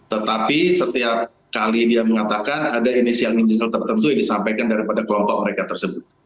tetapi setiap kali dia mengatakan ada inisial inisial tertentu yang disampaikan daripada kelompok mereka tersebut